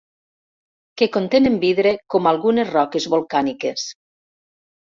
Que contenen vidre, com algunes roques volcàniques.